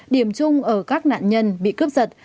điểm chung ở các nạn nhân bị cướp giật